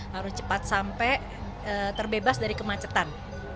harus cepat sampai terbebas dari kemacetan